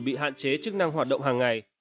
bị hạn chế chức năng hoạt động hàng ngày